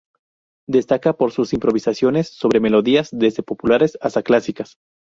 Destaca por sus improvisaciones sobre melodías, desde populares hasta clásicas.